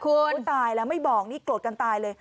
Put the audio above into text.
ผู้ตายแล้วไม่บอกนี่โกรธกันตายเลย